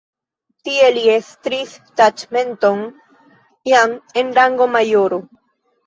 Tie li estris taĉmenton jam en rango majoro.